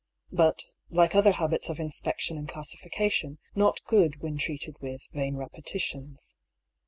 But, like other habits of inspection and classifica tion, not good when treated with " vain repetitions."